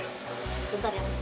bentar ya mas